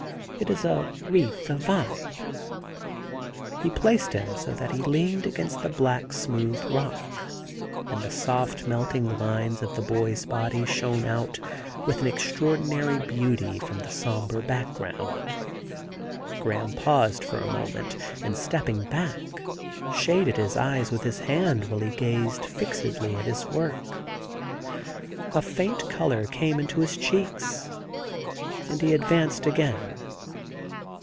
It is a wreath of vine.' 83 THE GARDEN GOD He placed him so that he leaned against the black, smooth rock, and the soft melting lines of the boy's body shone out with an extraordinary beauty from the sombre background. Graham paused for a moment, and stepping back, shaded his eyes with his hand while he gazed fixedly at his work. A faint colour came into his cheeks and he ad vanced again.